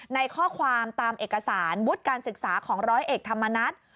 ในข้อความตามเอกสารวุฒิการศึกษาของร้อยเอกธรรมนัฐ